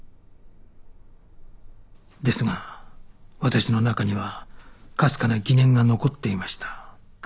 ですが私の中にはかすかな疑念が残っていました